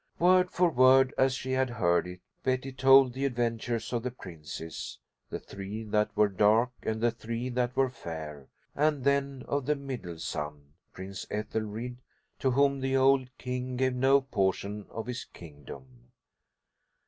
Word for word as she had heard it, Betty told the adventures of the princes ("the three that were dark and the three that were fair"), and then of the middle son, Prince Ethelried, to whom the old king gave no portion of his kingdom.